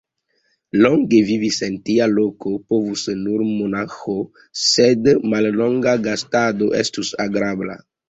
Longe vivi en tia loko povus nur monaĥo, sed mallonga gastado estus agrabla.